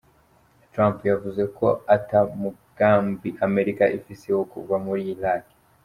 Trump yavuze ko ata mugambi Amerika ifise wo kuva muri Irak.